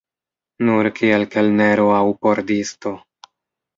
Nur kiel kelnero aŭ pordisto.